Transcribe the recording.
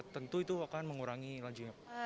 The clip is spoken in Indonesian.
tentu itu akan mengurangi lajunya